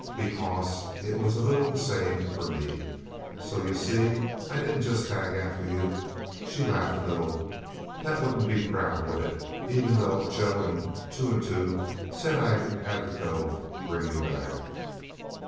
Because it was a little the same for me... So, you see, I didn't just tag after you." She laughed a little. "That wouldn't be proud, would it? Even though Joe and Two and Two said I had to go bring you back..."